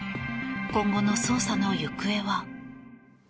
今後の捜査の行方は。